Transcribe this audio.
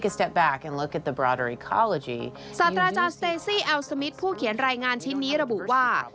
ศาสตราจารย์สเตซี่แอลสมิทผู้เขียนรายงานชิ้นนี้ระบุว่า